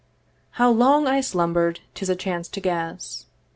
How long I slumber'd 'tis a chance to guess.